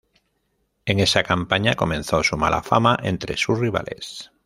En esa campaña comenzó su mala fama entre sus rivales.